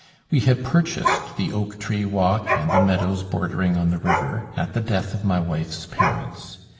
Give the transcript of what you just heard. We had purchased the oak tree walk and the meadows bordering on the river, at the death of my wife's parents.